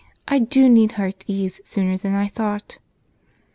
I do need heart's ease sooner than I thought!"